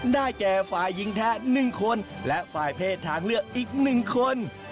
ได้แก่ฝ่ายยิงแท้หนึ่งคนและฝ่ายเพศทางเลือกอีกหนึ่งคน